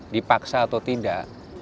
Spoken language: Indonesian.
dipaksa atau tidak